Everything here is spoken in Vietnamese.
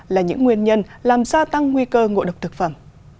là những nguyên nhân làm gia tăng nguy cơ ngộ độc thực phẩm